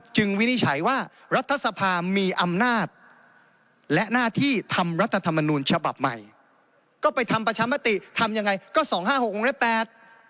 วินิจฉัยว่ารัฐสภามีอำนาจและหน้าที่ทำรัฐธรรมนูญฉบับใหม่ก็ไปทำประชามติทำยังไงก็สองห้าหกวงเล็บแปด